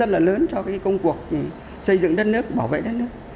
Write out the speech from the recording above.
rất là lớn cho công cuộc xây dựng đất nước bảo vệ đất nước